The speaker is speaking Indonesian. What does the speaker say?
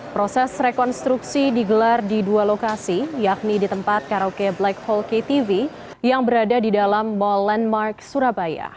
proses rekonstruksi digelar di dua lokasi yakni di tempat karaoke black whole ktv yang berada di dalam mall landmark surabaya